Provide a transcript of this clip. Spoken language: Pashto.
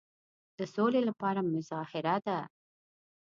د سولي لپاره مظاهره ده.